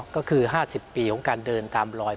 ก็คือ๕๐ปีของการเดินตามรอย